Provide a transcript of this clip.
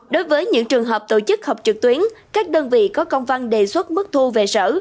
đối với những trường hợp tổ chức học trực tuyến các đơn vị có công văn đề xuất mức thu về sở